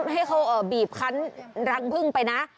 ให้เขาบีบคันรังพึ่งไปนะ